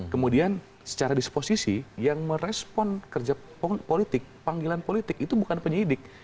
kemudian secara disposisi yang merespon kerja politik panggilan politik itu bukan penyidik